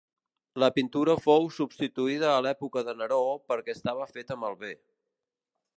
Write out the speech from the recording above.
La pintura fou substituïda a l'època de Neró perquè estava feta malbé.